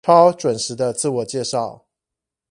超準時的自我介紹